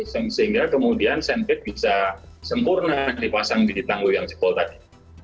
sehingga kemudian sandfit bisa sempurna dipasang di tangguh yang jebol tadi